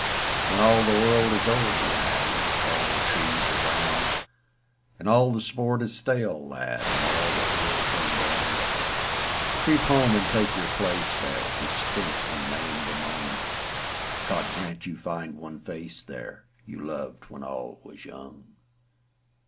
When all the world is old, lad, And all the trees are brown; And all the sport is stale, lad, And all the wheels run down: Creep home and take your place there, The spent and maimed among: God grant you find one face there, You loved when all was young.